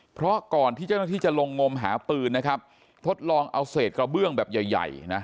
เพราะก่อนที่เจ้าหน้าที่จะลงงมหาปืนนะครับทดลองเอาเศษกระเบื้องแบบใหญ่ใหญ่นะ